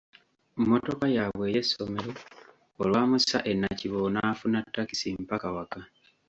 Mmotoka yaabwe ey'essomero olwamussa e Nakivubo, n’afuna takisi mpaka waka.